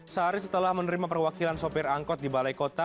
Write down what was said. sehari setelah menerima perwakilan sopir angkot di balai kota